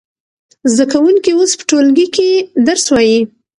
زده کوونکي اوس په ټولګي کې درس وايي.